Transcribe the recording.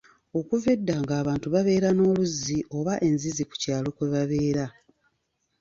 Okuva edda ng'abantu babeera n'oluzzi oba enzizi ku kyalo kwe babeera